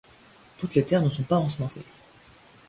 Toutes les terres ne sont pas ensemencées.